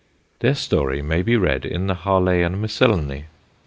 Their story may be read in the Harleian Miscellany.